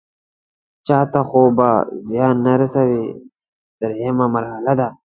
چاته خو به زیان نه رسوي دریمه مرحله ده.